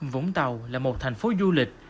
vũng tàu là một thành phố du lịch